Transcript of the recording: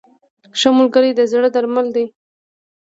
• ښه ملګری د زړه درمل دی.